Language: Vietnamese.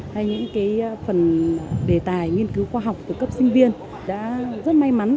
hay những cái phần đề tài nghiên cứu khoa học từ cấp sinh viên đã rất may mắn